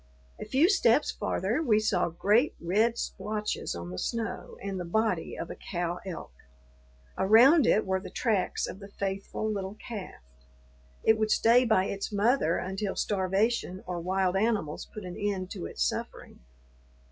A few steps farther we saw great, red splotches on the snow and the body of a cow elk. Around it were the tracks of the faithful little calf. It would stay by its mother until starvation or wild animals put an end to its suffering.